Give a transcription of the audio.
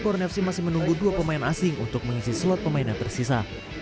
borne fc masih menunggu dua pemain asing untuk mengisi slot pemain yang tersisa